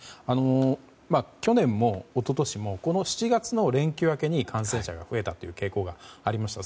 去年も一昨年も７月の連休明けに感染者が増えたという傾向がありました。